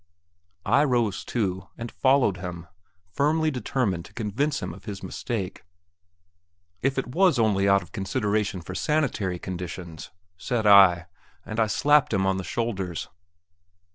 I rose, too, and followed him, firmly determined to convince him of his mistake. "If it was only out of consideration for sanitary conditions," said I; and I slapped him on the shoulders.